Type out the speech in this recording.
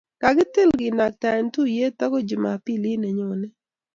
kakitil kenaktaen tuyiet agoi jumampili ne nyone